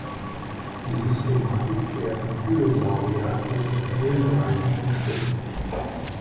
Die Systematik der Ankylosauria ist in vielen Bereichen umstritten.